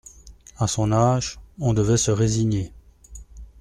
A son âge, on devait se résigner.